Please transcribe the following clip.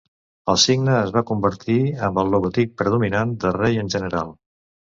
El signe es va convertir amb el logotip predominant de "Rei" en general.